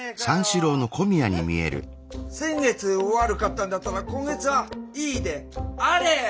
先月悪かったんだったら今月はいいであれ！